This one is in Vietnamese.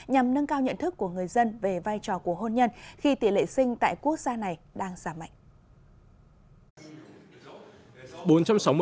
nhằm nâng cao nhận thức của người dân về vai trò của hôn nhân khi tỷ lệ sinh tại quốc gia này đang giảm mạnh